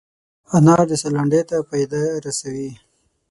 انار د ساه لنډۍ ته فایده رسوي.